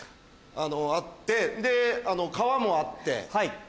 あのあってで川もあって。